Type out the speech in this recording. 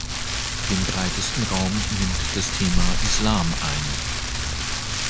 Den breitesten Raum nimmt das Thema Islam ein.